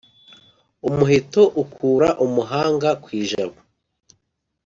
Umuheto ukura umuhanga ku ijabo